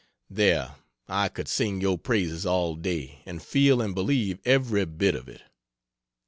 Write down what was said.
There I could sing your praises all day, and feel and believe every bit of it.